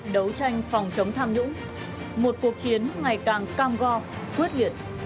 đấu tranh phòng chống tham nhũng một cuộc chiến ngày càng cam go quyết liệt